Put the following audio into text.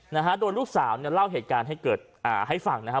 นะฮะโดยลูกสาวเนี่ยเล่าเหตุการณ์ให้เกิดอ่าให้ฟังนะฮะ